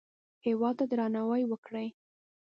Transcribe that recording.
هېواد ته درناوی وکړئ